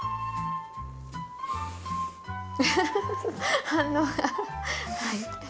ウフフフ反応が。